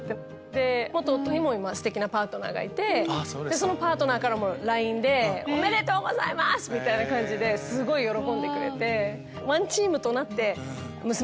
で夫にも今ステキなパートナーがいてそのパートナーからもＬＩＮＥで「おめでとうございます」みたいな感じですごい喜んでくれて。